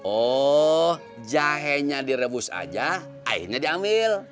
oh jahenya direbus aja airnya diambil